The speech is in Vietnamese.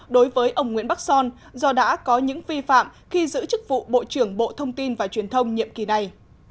đối với ông nguyễn bắc son do đã có những vi phạm khi giữ chức vụ bộ trưởng bộ thông tin và truyền thông nhiệm kỳ này